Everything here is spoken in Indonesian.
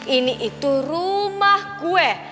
ini itu rumah gue